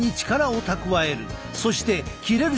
そして切れる